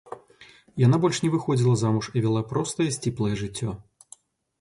Яна больш не выходзіла замуж і вяла простае сціплае жыццё.